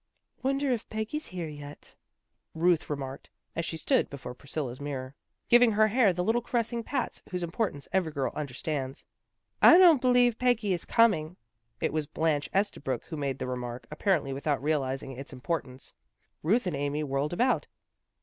"Wonder if Peggy's here yet," Ruth re 264 THE GIRLS OF FRIENDLY TERRACE marked, as she stood before Priscilla's mirror, giving her hair the little caressing pats whose importance every girl understands. " I don't believe Peggy is coming." It was Blanche Estabrook who made the remark, apparently without realizing its importance. Ruth and Amy whirled about.